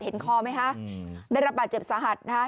คอไหมคะได้รับบาดเจ็บสาหัสนะคะ